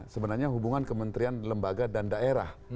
sebenarnya hubungan kementerian lembaga dan daerah